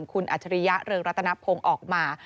คุณอัจฉริยะเรืองรัตนพงศ์ออกมา